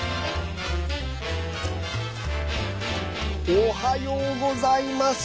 おはようございます。